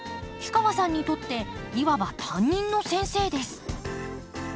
氷川さんにとっていわば担任の先生です。